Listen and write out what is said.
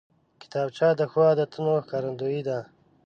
کتابچه د ښو عادتونو ښکارندوی ده